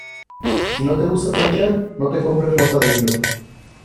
Si no te gusta planchar, no te compres ropa de hilo.